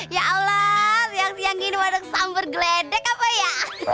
ya allah yang gini wadah kesamber geledek apa ya